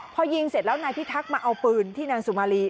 พอยิงเสร็จแล้วนายพิทักษ์มาเอาปืนที่นางสุมารี